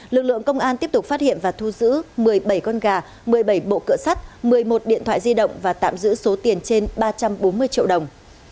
lực lượng công an tiếp tục phát hiện và thu giữ một mươi bảy con gà một mươi bảy bộ cựa sắt một mươi một điện thoại di động và tạm giữ số tiền trên ba trăm bốn mươi triệu đồng